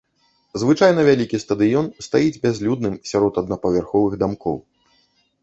Звычайна вялікі стадыён стаіць бязлюдным сярод аднапавярховых дамкоў.